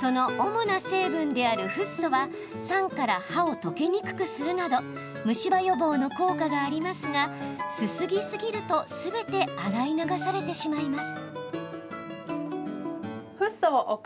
その主な成分であるフッ素は酸から歯を溶けにくくするなど虫歯予防の効果がありますがすすぎ過ぎるとすべて洗い流されてしまいます。